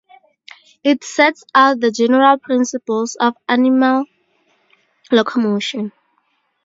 It sets out the general principles of animal locomotion.